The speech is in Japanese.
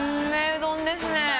うどんですね